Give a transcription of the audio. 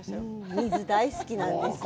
水、大好きなんですよ。